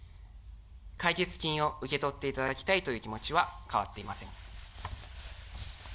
解決金を受け取っていただきたいという気持ちは変わっていません。